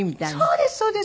そうですそうです！